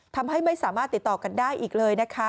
ทำให้ไม่สามารถติดต่อกันได้อีกเลยนะคะ